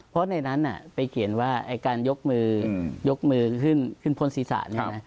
เพราะในนั้นไปเขียนว่ายกมือขึ้นพลศิษย์ศาสตร์